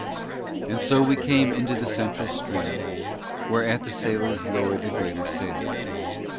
And so we came into the central stream, whereat the sailors lowered the greater sails.